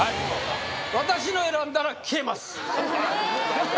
私のを選んだら消えますええー